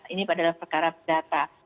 ini padahal perkara berdata